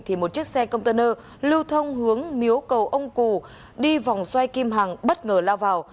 thì một chiếc xe container lưu thông hướng miếu cầu ông cù đi vòng xoay kim hàng bất ngờ lao vào